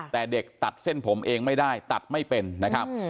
แต่เด็กตัดเส้นผมเองไม่ได้ตัดไม่เป็นนะครับ